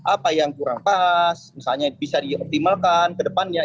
apa yang kurang pas misalnya bisa dioptimalkan ke depannya